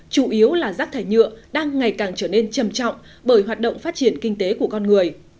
càng trở nên trầm trọng bởi hoạt động phát triển kinh tế của con người